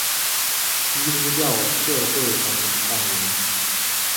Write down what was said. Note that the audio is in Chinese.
基督教社会党党员。